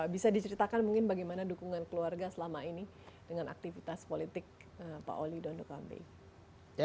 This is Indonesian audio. bisa diceritakan mungkin bagaimana dukungan keluarga selama ini dengan aktivitas politik pak oli dondo kambing